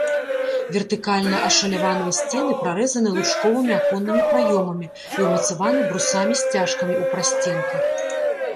Вертыкальна ашаляваныя сцены прарэзаны лучковымі аконнымі праёмамі і ўмацаваны брусамі-сцяжкамі ў прасценках.